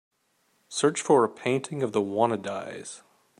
search for a painting of The Wannadies